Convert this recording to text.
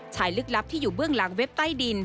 ลึกลับที่อยู่เบื้องหลังเว็บใต้ดิน